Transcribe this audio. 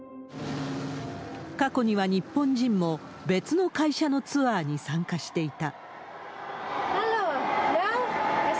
過去には日本人も、別の会社のツアーに参加していた。